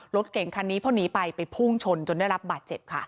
รถเก่งคันนี้พอหนีไปไปพุ่งชนจนได้รับบาดเจ็บค่ะ